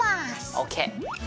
ＯＫ！